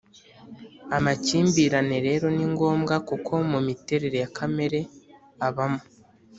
Amakimbirane rero ni ngombwa kuko mu miterere ya kamere abamo